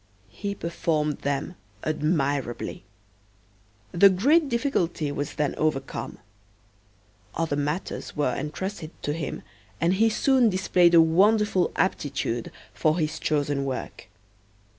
He performed them admirably. The great difficulty was then overcome. Other matters were entrusted to him, and he soon displayed a wonderful aptitude for his chosen work.